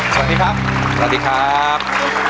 สวัสดีครับสวัสดีครับ